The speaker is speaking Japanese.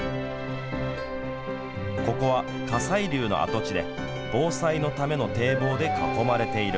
ここは火砕流の跡地で防災のための堤防で囲まれている。